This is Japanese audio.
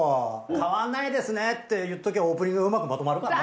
変わんないですねって言っとけばオープニングうまくまとまるから。